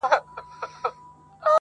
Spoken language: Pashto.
چې همېش په غوږ نارې د هجران اورم